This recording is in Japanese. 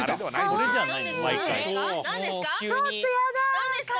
何ですか？